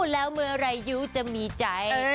แล้วเมื่อไรยูจะมีใจ